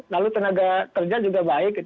lalu tenaga kerja juga baik